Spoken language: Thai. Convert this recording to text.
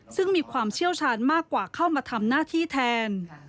ซึ่งมีความเชี่ยวชาญมากกว่าเข้ามาทำหน้าที่แทน